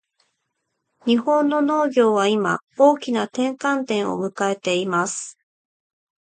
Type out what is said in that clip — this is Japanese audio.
日本の農業は今、大きな転換点を迎えています。